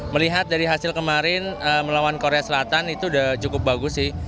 melihat dari hasil kemarin melawan korea selatan itu sudah cukup bagus sih